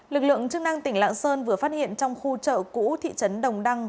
lực lượng chức năng tỉnh lạng sơn vừa phát hiện trong khu chợ cũ thị trấn đồng đăng